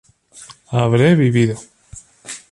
habré vivido